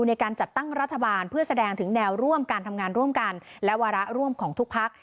ในการจัดตั้งรัฐบาลเพื่อแสดงถึงแนวร่วมการทำงานร่วมกันและวาระร่วมของทุกพัก